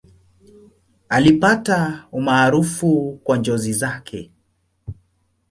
Alipata umaarufu kwa njozi zake.